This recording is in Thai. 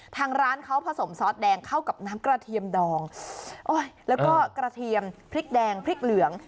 ทางร้านเขาผสมซอสแดงเข้ากับน้ำกระเทียมดองโอ้ยแล้วก็กระเทียมพริกแดงพริกเหลือง